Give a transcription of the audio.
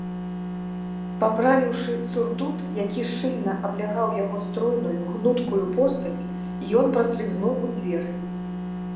Паправіўшы сурдут, які шчыльна аблягаў яго стройную гнуткую постаць, ён праслізнуў у дзверы.